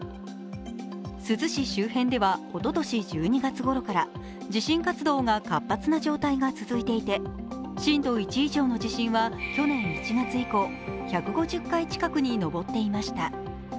珠洲市周辺ではおととし１２月ごろから地震活動が活発な状態が続いていて震度１以上の地震は去年１月以降１５０回近くに上っていました。